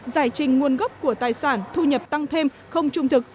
giải trình nguồn gốc của tài sản thu nhập tăng thêm không trung thực